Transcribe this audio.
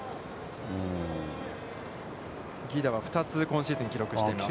犠打は２つ今シーズン記録しています。